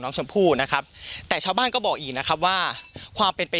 น้องชมพู่นะครับแต่ชาวบ้านก็บอกอีกนะครับว่าความเป็นไป